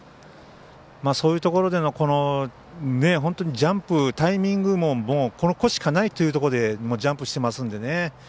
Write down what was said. そういうところでのジャンプタイミングもここしかないというところでジャンプしてますのでね。